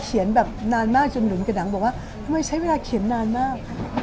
แบบนานมากจนหนุนกระหนังบอกว่ามันใช้เวลาเขียนนานมาก